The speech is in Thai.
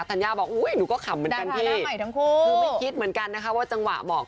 ธัญญาบอกอุ๊ยหนูก็ขำเหมือนกันพี่คือไม่คิดเหมือนกันนะคะว่าจังหวะเหมาะ